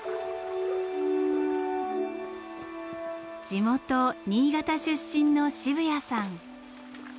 地元新潟出身の渋谷さん。